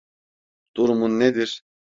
Durumun nedir?